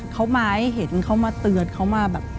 เขามาให้เห็นเขามาเตือนเขามาแบบ